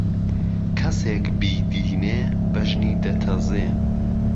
کهسێک بيدينێ بهژنی دهتەزێ